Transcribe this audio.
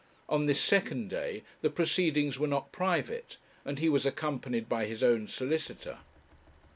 On this second day the proceedings were not private, and he was accompanied by his own solicitor.